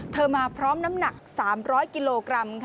มาพร้อมน้ำหนัก๓๐๐กิโลกรัม